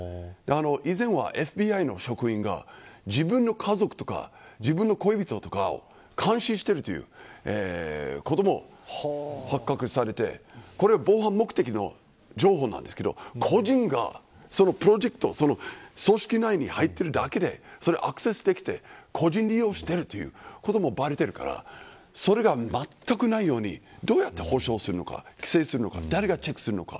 以前ＦＢＩの職員が自分の家族とか自分の恋人とかを監視しているということも発覚してこれは防犯目的の情報なんですけど個人がプロジェクトその組織内に入っているだけでアクセスできて個人利用しているということもばれているからそれが、まったくないようにどうやって保証するのか規制するのか誰がチェックするのか。